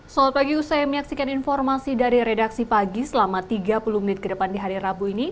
selamat pagi usai menyaksikan informasi dari redaksi pagi selama tiga puluh menit ke depan di hari rabu ini